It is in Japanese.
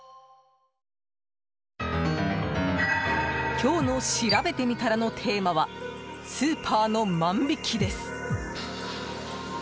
今日のしらべてみたらのテーマは、スーパーの万引きです。